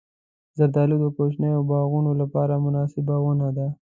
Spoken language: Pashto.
زردالو د کوچنیو باغونو لپاره مناسبه ونه ده.